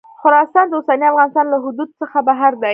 خراسان د اوسني افغانستان له حدودو څخه بهر دی.